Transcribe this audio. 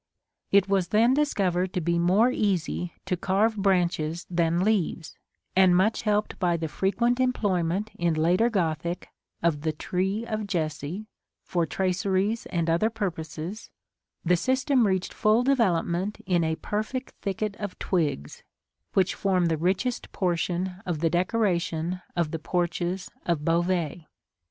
It was then discovered to be more easy to carve branches than leaves and, much helped by the frequent employment in later Gothic of the "Tree of Jesse," for traceries and other purposes, the system reached full developement in a perfect thicket of twigs, which form the richest portion of the decoration of the porches of Beauvais.